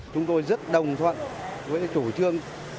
chúng tôi rất đồng thuận với chủ trương